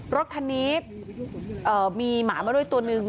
รถคันนี้มีหมามาด้วยตัวหนึ่ง